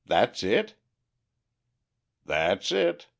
That it?" "That's it.